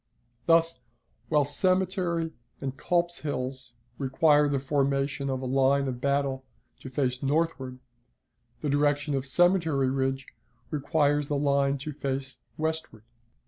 Thus, while Cemetery and Culps's Hills require the formation of a line of battle to face northward, the direction of Cemetery Ridge requires the line to face westward.